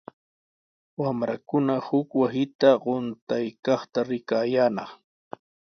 Wamrakuna huk wasita quntaykaqta rikayaanaq.